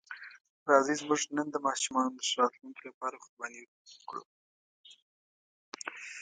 راځئ زموږ نن د ماشومانو د ښه راتلونکي لپاره قرباني کړو.